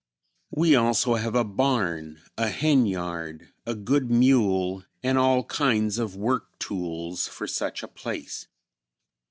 We also have a barn, a henyard, a good mule and all kinds of work tools for such a place.